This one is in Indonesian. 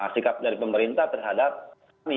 sikap dari pemerintah terhadap kami